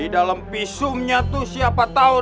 di dalam visumnya tuh siapa tau